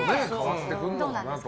どうなんですか？